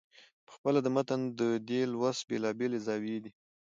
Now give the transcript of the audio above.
پخپله د متن د دې لوست بېلابېلې زاويې دي.